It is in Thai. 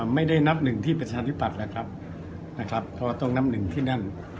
ไม่ได้นับหนึ่งที่ประชาธิปัตย์แล้วครับนะครับเพราะว่าต้องนับหนึ่งที่นั่น